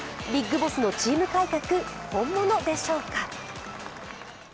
ビッグボスのチーム改革、本物でしょうか。